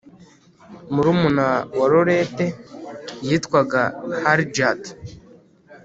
Murumuna wa Lotte witwaga Hallgerd